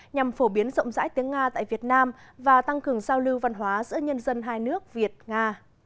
nhằm phổ biến rộng rãi tiếng nga tại việt nam và tăng cường giao lưu văn hóa giữa nhân dân hai nước việt nga